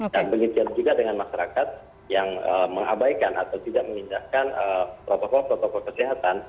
dan begitu juga dengan masyarakat yang mengabaikan atau tidak menindahkan protokol protokol kesehatan